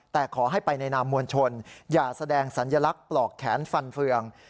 แต่ขอให้ไปในนามมวลชนอย่าแสดงสัญลักษณ์ปลอกแขนฟันเฟือง